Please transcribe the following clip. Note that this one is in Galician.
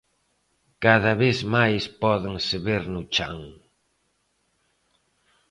Cada vez máis pódense ver no chan.